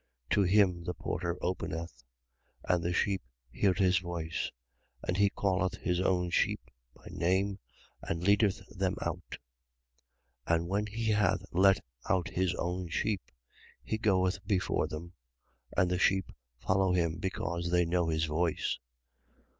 10:3. To him the porter openeth: and the sheep hear his voice. And he calleth his own sheep by name and leadeth them out. 10:4. And when he hath let out his own sheep, he goeth before them: and the sheep follow him, because they know his voice.